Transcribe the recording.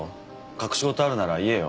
隠し事があるなら言えよ。